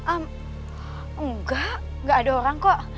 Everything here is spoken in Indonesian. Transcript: em enggak gak ada orang kok